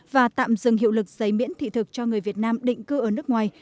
và tạm dừng hiệu lực giấy miễn thị thực cho người việt nam định cư ở nước ngoài